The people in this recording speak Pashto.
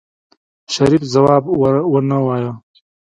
شريف ځواب ونه وايه.